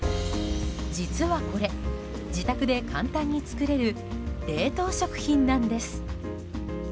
実は、これ自宅で簡単に作れる冷凍食品なんです。